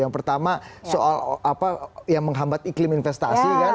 yang pertama soal apa yang menghambat iklim investasi kan